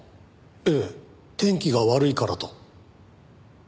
ええ天気が悪いからと。